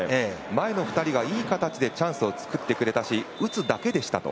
前の２人がいい形でチャンスを作ってくれたし、打つだけでしたと。